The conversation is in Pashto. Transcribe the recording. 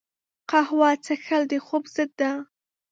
قهوه څښل د خوب ضد ده